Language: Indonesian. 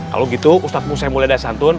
kalau gitu ustaz musaim mulya dan santun